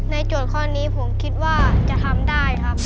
โจทย์ข้อนี้ผมคิดว่าจะทำได้ครับ